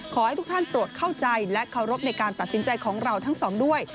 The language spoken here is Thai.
ขอให้ทุกท่านโปรดเข้าใจและเคารพในการตัดสินใจของเราทั้งสองด้วย